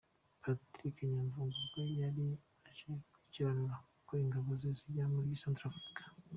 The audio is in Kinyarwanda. Patrick Nyamvumba ubwo yari aje gukurikirana uko ingabo ze zijya muri Centrafrique.